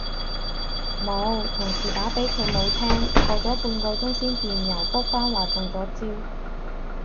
冇，同事打畀佢冇聽，過咗半個鐘先電郵覆返話中咗招